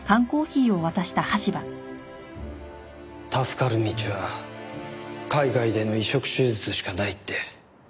助かる道は海外での移植手術しかないって。